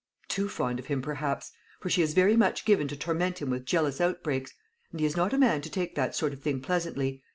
"Too fond of him, perhaps; for she is very much given to torment him with jealous outbreaks; and he is not a man to take that sort of thing pleasantly.